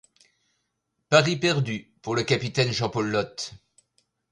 Pari perdu pour le capitaine Jean-Paul Loth.